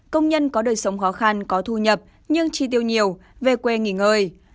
công nhân có đời sống khó khăn có thu nhập nhưng chi tiêu nhiều về quê nghỉ ngơi